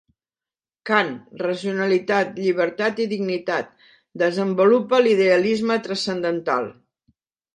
Kant: racionalitat, llibertat i dignitat; desenvolupe l'idealisme transcendental.